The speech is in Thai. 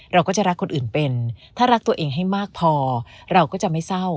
เราก็จะรักคนอื่นเป็นถ้ารักตัวเองให้มากพอเราก็จะไม่เศร้า